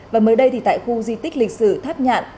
và mới đây thì tại khu di tích lịch sử tháp nhạn